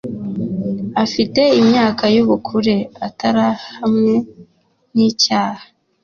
Afite imyaka y ubukure atarahamwe n icyaha